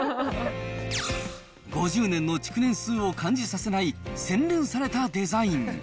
５０年の築年数を感じさせない、洗練されたデザイン。